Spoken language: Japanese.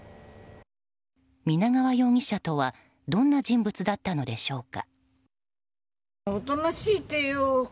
皆川容疑者とはどんな人物だったのでしょうか。